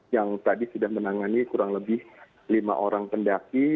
yang tadi sudah menangani kurang lebih lima orang pendaki